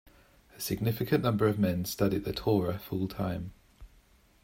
A significant number of men study the Torah full-time.